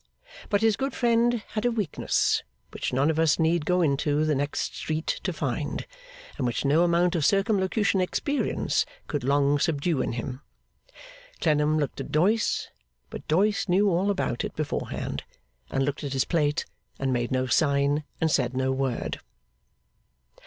But his good friend had a weakness which none of us need go into the next street to find, and which no amount of Circumlocution experience could long subdue in him. Clennam looked at Doyce; but Doyce knew all about it beforehand, and looked at his plate, and made no sign, and said no word.